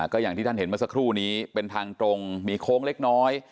ก็อย่างที่ท่านเห็นเมื่อสักครู่นี้เป็นทางตรงมีโค้งเล็กน้อย